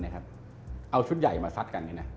เอาชุดใหญ่มาซัดกัน